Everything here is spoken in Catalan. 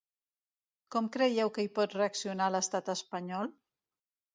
Com creieu que hi pot reaccionar l’estat espanyol?